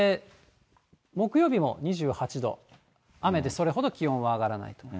木曜日も２８度、雨で、それほど気温は上がらないかな。